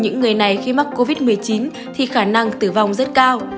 những người này khi mắc covid một mươi chín thì khả năng tử vong rất cao